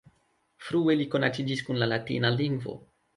Frue li konatiĝis kun la latina lingvo.